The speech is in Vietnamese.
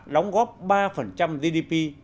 đóng góp ba gdp